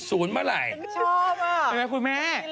จริงไหมพี่แม่